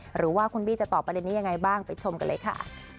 หรือว่าคุณบี้จะตอบประเด็นนี้ยังไงบ้างไปชมกันเลยค่ะ